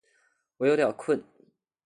我有点困